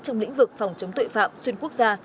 trong lĩnh vực phòng chống tội phạm xuyên quốc gia